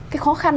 cái khó khăn